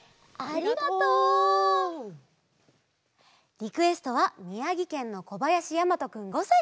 リクエストはみやぎけんのこばやしやまとくん５さいから。